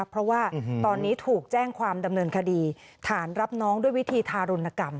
เพราะว่าตอนนี้ถูกแจ้งความดำเนินคดีฐานรับน้องด้วยวิธีทารุณกรรม